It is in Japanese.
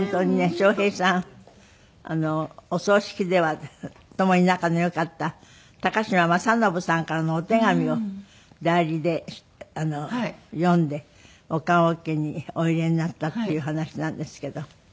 笑瓶さんのお葬式ではともに仲の良かった嶋政伸さんからのお手紙を代理で読んでお棺おけにお入れになったっていう話なんですけど。